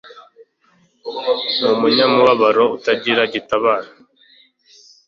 n'umunyamubabaro utagira gitabara